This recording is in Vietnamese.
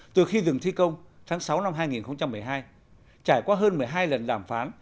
từ khi dừng thi công tháng sáu năm hai nghìn một mươi hai trải qua hơn một mươi hai lần đàm phán